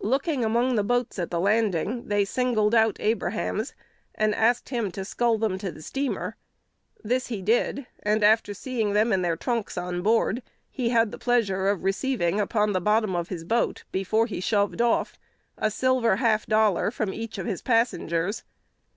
Looking among the boats at the landing, they singled out Abraham's, and asked him to scull them to the steamer. This he did; and, after seeing them and their trunks on board, he had the pleasure of receiving upon the bottom of his boat, before he shoved off, a silver half dollar from each of his passengers.